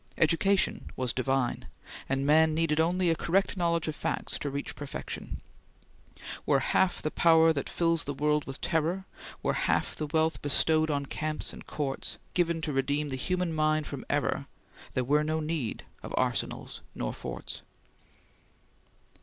Education was divine, and man needed only a correct knowledge of facts to reach perfection: "Were half the power that fills the world with terror, Were half the wealth bestowed on camps and courts, Given to redeem the human mind from error, There were no need of arsenals nor forts."